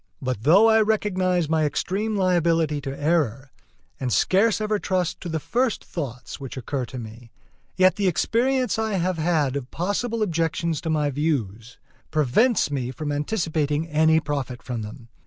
But though I recognize my extreme liability to error, and scarce ever trust to the first thoughts which occur to me, yet the experience I have had of possible objections to my views prevents me from anticipating any profit from them.